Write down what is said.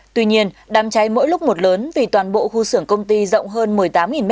tuy nhiên đám cháy mỗi lúc một lớn vì toàn bộ khu xưởng công ty rộng hơn một mươi tám m hai